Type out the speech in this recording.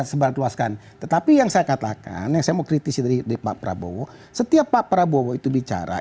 sebarang luas kan tetapi yang saya katakan nyamu kritis ide ide foto setiap pak prabowo itu bicara